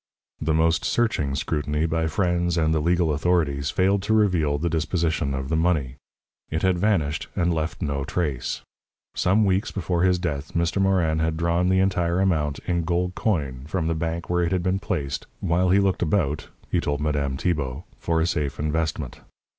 The most searching scrutiny by friends and the legal authorities failed to reveal the disposition of the money. It had vanished, and left no trace. Some weeks before his death, Mr. Morin had drawn the entire amount, in gold coin, from the bank where it had been placed while he looked about (he told Madame Tibault) for a safe investment.